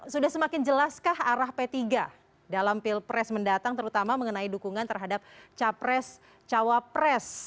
sudah semakin jelaskah arah p tiga dalam pilpres mendatang terutama mengenai dukungan terhadap capres cawapres